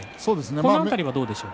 この辺りはどうでしょう。